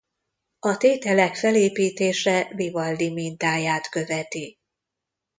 A tételek felépítése Vivaldi mintáját követi.